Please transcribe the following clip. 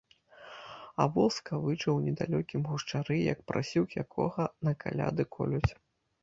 А во скавыча ў недалёкім гушчары, як парсюк, якога на каляды колюць.